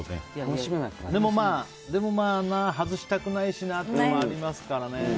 でも外したくないしなっていうのもありますからね。